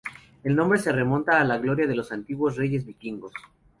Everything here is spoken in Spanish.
El nombre se remonta a la gloria de los antiguos reyes vikingos.